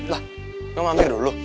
lah mau mampir dulu